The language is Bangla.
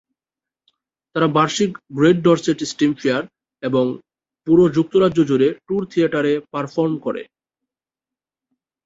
তারা বার্ষিক গ্রেট ডরসেট স্টিম ফেয়ার এবং পুরো যুক্তরাজ্য জুড়ে ট্যুর থিয়েটারে পারফর্ম করে।